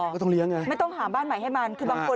ก็ต้องเลี้ยงไงไม่ต้องหาบ้านใหม่ให้มันคือบางคน